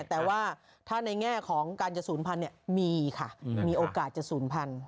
แต่ว่าถ้าในแง่ของการจะศูนย์พันธุ์มีค่ะมีโอกาสจะศูนย์พันธ